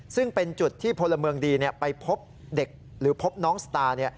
ซึ่งเป็นจุดที่พลเมืองดีไปพบเด็กหรือพบน้องสตาร์